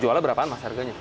jualnya berapaan mas harganya